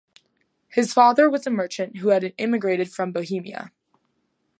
His father was a merchant who had emigrated from Bohemia.